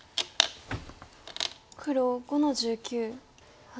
黒５の十九ハネ。